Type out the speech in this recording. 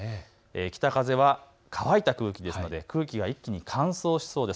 北風は乾いた空気ですので空気が一気に乾燥しそうです。